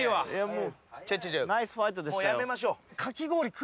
もうやめましょう。